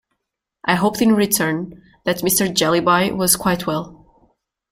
I hoped in return that Mr. Jellyby was quite well.